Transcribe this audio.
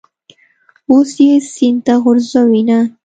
اوس یې سین ته غورځوینه.